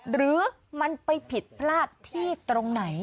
หรือมันไปผิดพลาดที่ตรงไหน